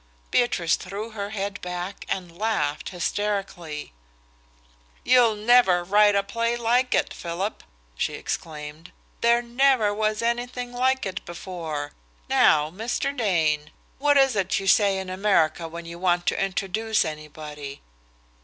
Beatrice threw her head back and laughed hysterically. "You'll never write a play like it, Philip!" she exclaimed. "There never was anything like it before. Now, Mr. Dane, what is it you say in America when you want to introduce anybody?